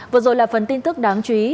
vừa rồi là phần tin tức đáng chú ý